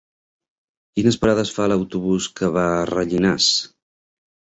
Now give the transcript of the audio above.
Quines parades fa l'autobús que va a Rellinars?